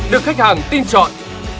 được khách hàng tin chọn